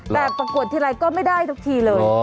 แต่ประกวดทีไรก็ไม่ได้ทุกทีเลย